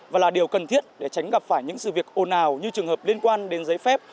và là điều cần thiết để tránh gặp phải những sự việc ồn ào như trường hợp liên quan đến giấy phép